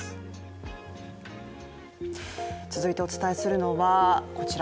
続いてお伝えするのはこちら。